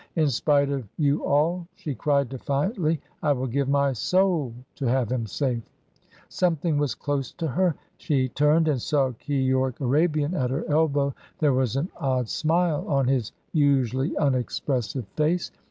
"In spite of you all," she cried defiantly, "I will give my soul to have him safe!" Something was close to her. She turned and saw Keyork Arabian at her elbow. There was an odd smile on his usually unexpressive face.